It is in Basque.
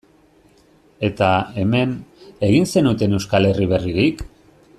Eta, hemen, egin zenuten Euskal Herri berririk?